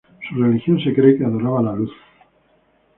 Su religión se cree que adoraba la luz.